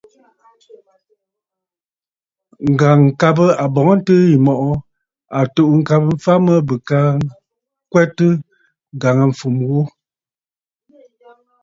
Ŋ̀gàŋkabə àbɔ̀ŋəntɨɨ yì mɔ̀ʼɔ à tù'û ŋ̀kabə mfa mə bɨ ka ŋkwɛtə ŋgàŋâfumə ghu.